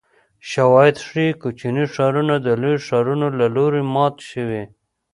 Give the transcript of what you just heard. شواهد ښيي کوچني ښارونه د لویو ښارونو له لوري مات شوي